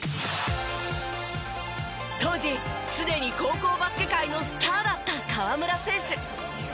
当時すでに高校バスケ界のスターだった河村選手。